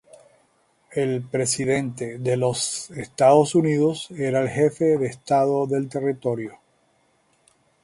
El Presidente de los Estados Unidos era el Jefe de Estado del territorio.